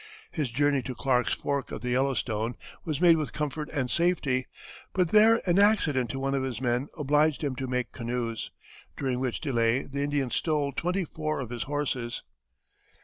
His journey to Clark's fork of the Yellowstone was made with comfort and safety, but there an accident to one of his men obliged him to make canoes, during which delay the Indians stole twenty four of his horses.